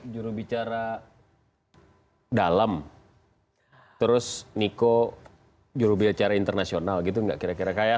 jurubicara dalam terus niko jurubicara internasional gitu nggak kira kira kayak